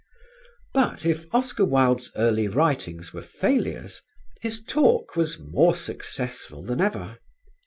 But, if Oscar Wilde's early writings were failures, his talk was more successful than ever.